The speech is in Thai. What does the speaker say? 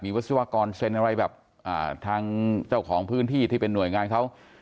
วิศวกรเซ็นอะไรแบบทางเจ้าของพื้นที่ที่เป็นหน่วยงานเขา